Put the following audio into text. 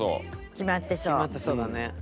決まってそうだね。